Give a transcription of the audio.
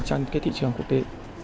trên thị trường quốc tế